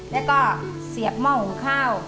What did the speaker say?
แล้วก็เสียบหม้อหุงข้าว